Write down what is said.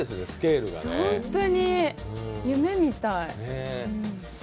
本当に夢みたい。